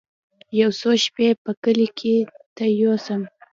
يو څو شپې به کلي ته يوسم.